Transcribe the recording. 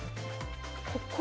ここ？